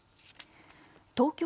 東京